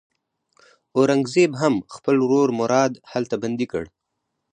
اورنګزېب هم خپل ورور مراد هلته بندي کړ.